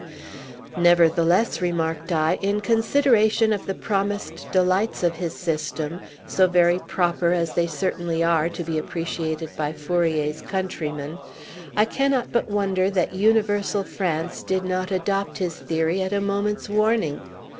"Nevertheless," remarked I, "in consideration of the promised delights of his system, so very proper, as they certainly are, to be appreciated by Fourier's countrymen, I cannot but wonder that universal France did not adopt his theory at a moment's warning.